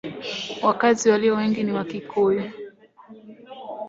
Wakazi walio wengi ni Wakikuyu.